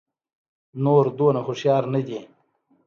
نور دومره هوښيار نه دي